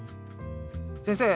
先生。